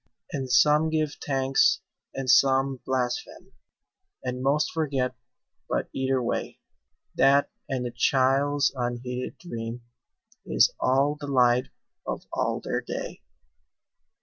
And give some thanks, and some blaspheme, And most forget, but, either way, That and the child's unheeded dream Is all the light of all their day.